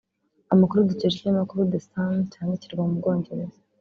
Amakuru dukesha ikinyamakuru the sun cyandikirwa mu Bwongereza